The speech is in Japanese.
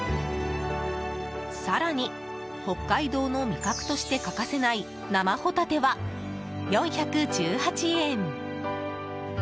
更に北海道の味覚として欠かせない生ほたては、４１８円。